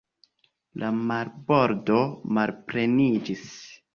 La marbordo malpleniĝis.